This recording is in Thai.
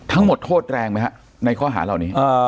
ทั้งหมดโทษแรงไหมครับในข้อหาเหล่านี้